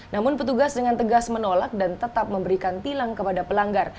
namun petugas dengan tegas menolak dan tetap memberikan tilang kepada pelanggar